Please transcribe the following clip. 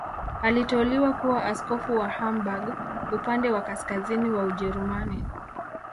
Aliteuliwa kuwa askofu wa Hamburg, upande wa kaskazini wa Ujerumani.